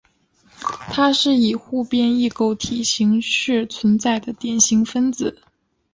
它是以互变异构体形式存在的典型分子。